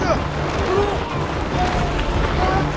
dia berada di luar sana